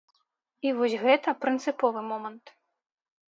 І вось гэта прынцыповы момант.